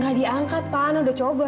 gak diangkat pak ana udah coba